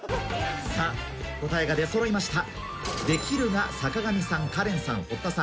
さぁ答えが出そろいました。